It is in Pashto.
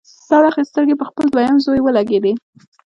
دا وخت يې سترګې په خپل دويم زوی ولګېدې.